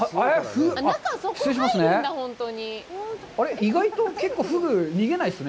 意外と結構フグ、逃げないですね。